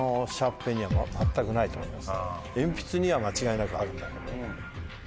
鉛筆には間違いなくあるんだけど。